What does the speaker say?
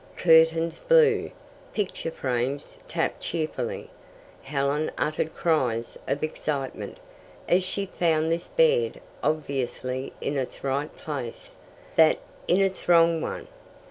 Curtains blew, picture frames tapped cheerfully. Helen uttered cries of excitement as she found this bed obviously in its right place, that in its wrong one.